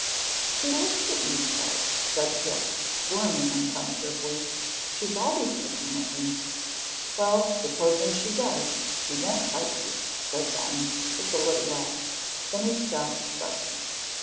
"She looks at me so," said Pip, squirming uncomfortably; "she's always looking at me." "Well, supposing she does, she won't bite you," said Ben, with a little laugh. Then he stopped suddenly.